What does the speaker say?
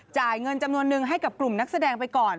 จ่ายเงินจำนวนนึงให้กับกลุ่มนักแสดงไปก่อน